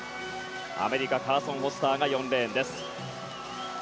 アメリカカーソン・フォスターが４レーンです。